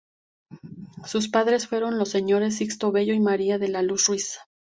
Sus padres fueron los señores Sixto Bello y María de la Luz Ruiz.